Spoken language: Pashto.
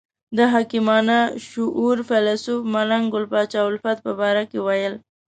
د حکیمانه شعور فیلسوف ملنګ ګل پاچا الفت په باره کې ویل.